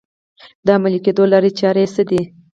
د عملي کېدو لارې چارې یې څه دي؟